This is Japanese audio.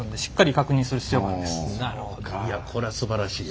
いやこれはすばらしいわ。